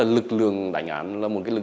lực lượng đánh án là một lực lượng đúng